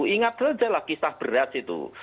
ingat saja lah kisah beras itu